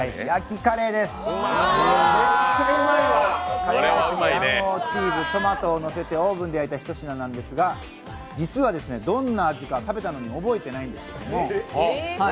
カレーライスの上に卵黄、チーズをのせて、オーブンで焼いたひと品なんですが実は、どんな味か食べたのに覚えてないんですよ。